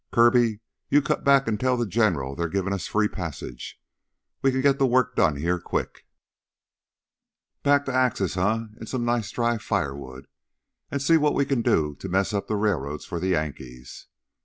Kirby, you cut back and tell the General they're givin' us free passage. We can get the work done here, quick." "Back to axes, eh, an' some nice dry firewood an' see what we can do to mess up the railroads for the Yankees.